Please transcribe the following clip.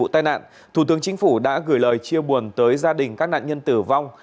thủ tướng chính phủ đã gửi lời chia buồn tới gia đình các nạn nhân tử vong